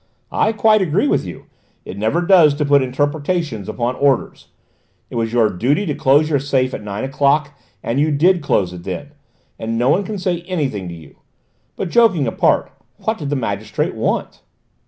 "I quite agree with you, it never does to put interpretations upon orders. It was your duty to close your safe at nine o'clock, and you did close it then, and no one can say anything to you. But, joking apart, what did the magistrate want?"